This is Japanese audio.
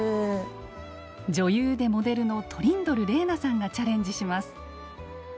女優でモデルのトリンドル玲奈さんがチャレンジします。